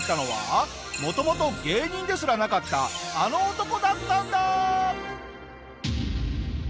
元々芸人ですらなかったあの男だったんだ！